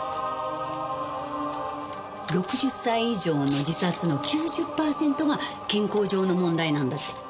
６０歳以上の自殺の９０パーセントが健康上の問題なんだって。